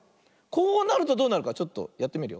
こうなるとどうなるかちょっとやってみるよ。